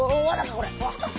これ。